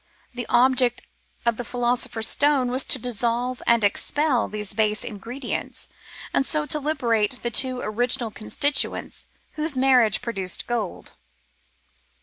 The object of the Philosopher's Stone was to dissolve and expel these base ingredients, and so to liberate the two original constituents whose marriage produced gold.